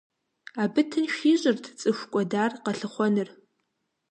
Абы тынш ищӏырт цӏыху кӏуэдар къэлъыхъуэныр.